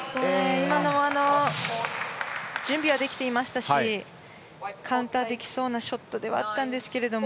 今のは準備はできていましたしカウンターできそうなショットではあったんですけれども。